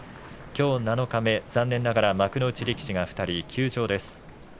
きょう七日目残念ながら幕内力士が２人、休場です。